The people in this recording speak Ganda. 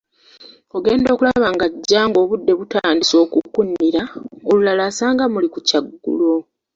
Ogenda okulaba ng'ajja ng'obudde butandise okukunira, olulala asanga muli ku kyaggulo.